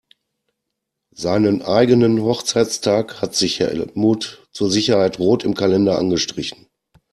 Seinen eigenen Hochzeitstag hat sich Helmut zur Sicherheit rot im Kalender angestrichen.